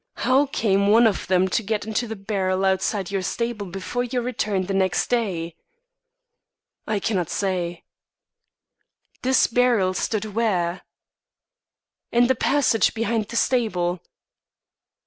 How came one of them to get into the barrel outside your stable before your return the next day?" "I cannot say." "This barrel stood where?" "In the passage behind the stable."